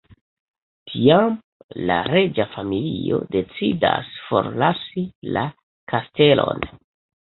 Tiam la reĝa familio decidas forlasi la kastelon...